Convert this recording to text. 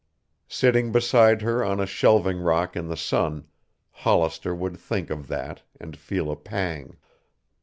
Sitting beside her on a shelving rock in the sun, Hollister would think of that and feel a pang.